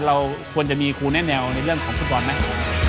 เราควรจะมีครูแน่แนวในเรื่องของฟุตบอลไหม